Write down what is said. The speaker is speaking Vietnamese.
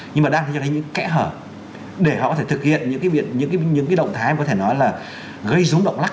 nhưng mà đang cho thấy những kẽ hở để họ có thể thực hiện những cái động thái mà có thể nói là gây rúng động lắc